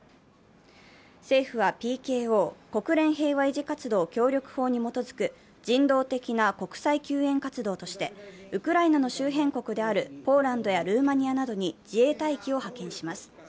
政府はＰＫＯ＝国連平和維持活動協力法に基づく人道的な国際救援活動として、ウクライナの周辺国であるポーランドやルーマニアなどに自衛隊機を派遣します。